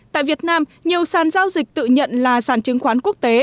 tại việt nam nhiều sàn giao dịch tự nhận là sàn chứng khoán quốc tế